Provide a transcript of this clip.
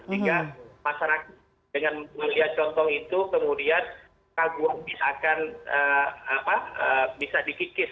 sehingga masyarakat dengan melihat contoh itu kemudian kaguannya akan bisa dikikis